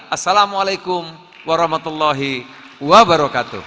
assalamu alaikum warahmatullahi wabarakatuh